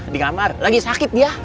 di kamar lagi sakit dia